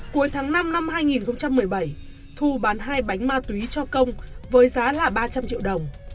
cuối tháng năm năm hai nghìn một mươi bảy thu bán hai bánh ma túy cho công với giá là ba trăm linh triệu đồng